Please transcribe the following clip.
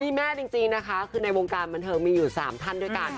มีแม่จริงนะคะคือในวงการบันเทิงมีอยู่๓ท่านด้วยกัน